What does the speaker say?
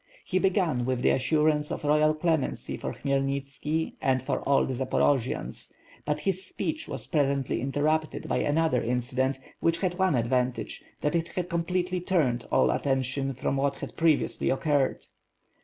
He began with the assurance of royal clemency for Khmyelnitski and for all the Zaporojians, but his speech was presently inter rupted by another incident, which had one advantage, that it completely turned all attention from what had previously occurred.